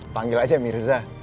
panggil aja mirza